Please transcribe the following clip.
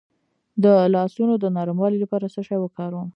د لاسونو د نرموالي لپاره څه شی وکاروم؟